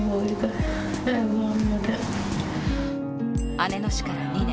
姉の死から２年。